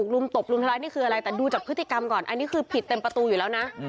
รุมตบรุมทำร้ายนี่คืออะไรแต่ดูจากพฤติกรรมก่อนอันนี้คือผิดเต็มประตูอยู่แล้วนะ